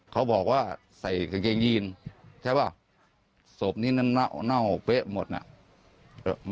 เขาบอกว่าใส่กางเกงยีนใช่ป่ะศพนี้นั้นเน่าเป๊ะหมดน่ะ